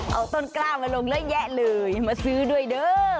เอาต้นกล้ามาลงเยอะแยะเลยมาซื้อด้วยเด้อ